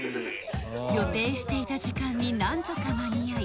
予定していた時間に何とか間に合い